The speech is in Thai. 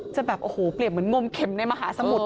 จะแบบโอ้โหเปรียบเหมือนงมเข็มในมหาสมุทร